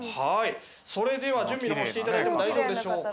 それでは準備の方していただいても大丈夫でしょうか。